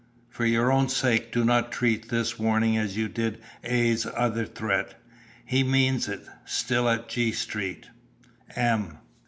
For your own sake do not treat this warning as you did A.'s other threat. He means it. Still at G. Street. "M."